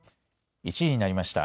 １時になりました。